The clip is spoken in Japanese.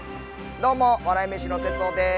どうも笑い飯の哲夫です。